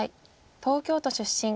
東京都出身。